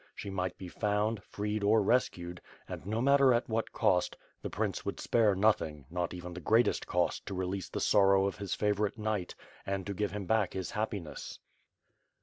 She might be found, freed or rescued, and, no matter at what cost, the prince would spare nothing, not even the greatest cost to release the sorrow of his favorite knight, and to give him back his happiness.